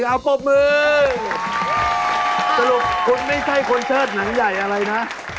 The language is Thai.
๘๖หนังใหญ่อะไรนะ